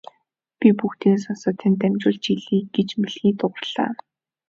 Би бүгдийг сонсоод танд дамжуулж хэлье гэж мэлхий дуугарлаа.